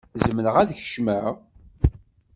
Zemreɣ ad kecmeɣ?